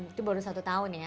itu baru satu tahun ya